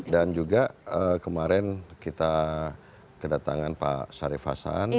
dan juga kemarin kita kedatangan pak sarif hasan